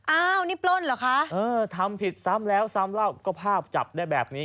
อ้าวนี่ปล้นเหรอคะเออทำผิดซ้ำแล้วซ้ำเล่าก็ภาพจับได้แบบนี้